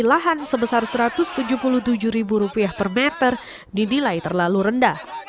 lahan sebesar rp satu ratus tujuh puluh tujuh per meter dinilai terlalu rendah